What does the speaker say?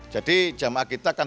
jadi jemaah kita kan terkenal